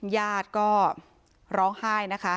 ญาติก็ร้องไห้นะคะ